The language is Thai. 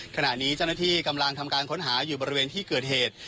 ขณะนี้เจ้าหน้าที่กำลังทำการค้นหาอยู่บริเวณที่เกิดเหตุ